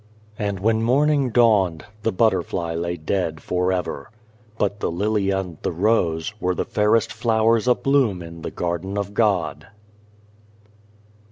And when morning dawned, the butterfly lay dead for ever, but the lily and the rose were the fairest flowers a bloom in the Garden of God.